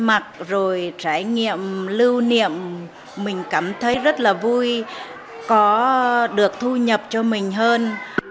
mặc rồi trải nghiệm lưu niệm mình cảm thấy rất là vui có được thu nhập cho mình hơn